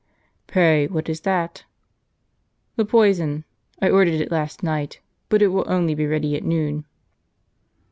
" Pray what is that ?"" The poison. I ordered it last night, but it will only be ready at noon."